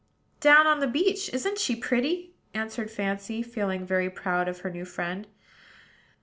"Down on the beach. Isn't she pretty?" answered Fancy, feeling very proud of her new friend.